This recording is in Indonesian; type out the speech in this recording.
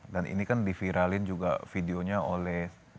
dan ini kan diviralin juga videonya oleh